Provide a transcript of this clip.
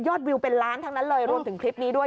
วิวเป็นล้านทั้งนั้นเลยรวมถึงคลิปนี้ด้วย